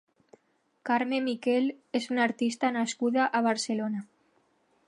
Carme Miquel és una artista nascuda a Barcelona.